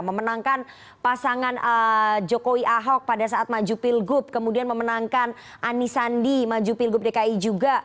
memenangkan pasangan jokowi ahok pada saat maju pilgub kemudian memenangkan ani sandi maju pilgub dki juga